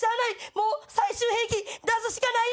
もう最終兵器出すしかない！